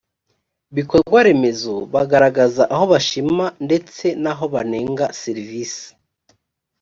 bikorwaremezo bagaragaza aho bashima ndetse n aho banenga serivisi